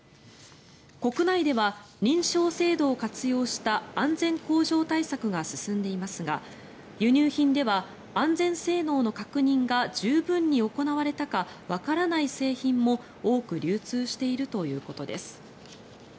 国内では認証制度を活用した安全向上対策が進んでいますが輸入品では安全性能の確認が十分に行われたかわからない製品も多く流通しているということです。